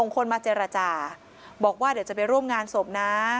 คนมาเจรจาบอกว่าเดี๋ยวจะไปร่วมงานศพนะ